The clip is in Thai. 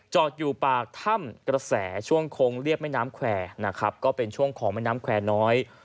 อยู่ปากถ้ำกระแสช่วงโค้งเรียบแม่น้ำแควร์นะครับก็เป็นช่วงของแม่น้ำแควร์น้อย